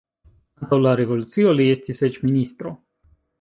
Antaŭ la revolucio li estis eĉ ministro.